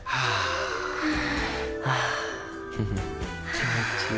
気持ちいい。